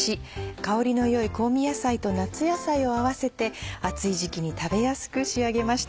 香りの良い香味野菜と夏野菜を合わせて暑い時期に食べやすく仕上げました。